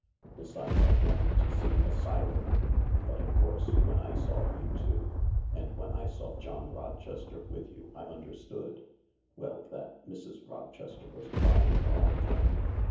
Besides, I wanted to see a siren. But, of course, when I saw you two, and when I saw John Rochester with you, I understood — well, that Mrs. Rochester was trying it on again.